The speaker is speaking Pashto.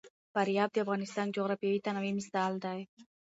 فاریاب د افغانستان د جغرافیوي تنوع مثال دی.